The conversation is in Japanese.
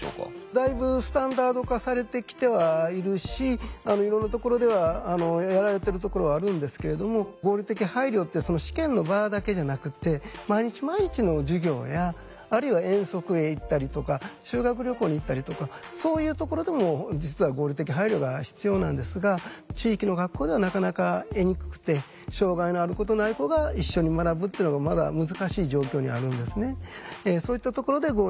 だいぶスタンダード化されてきてはいるしいろんなところではやられてるところはあるんですけれども合理的配慮って試験の場だけじゃなくって毎日毎日の授業やあるいは遠足へ行ったりとか修学旅行に行ったりとかそういうところでも実は合理的配慮が必要なんですが地域の学校ではなかなか得にくくて障害のある子とない子が一緒に学ぶってのがまだ難しい状況にあるんですね。